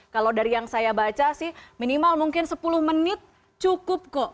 kalau dari yang saya baca sih minimal mungkin sepuluh menit cukup kok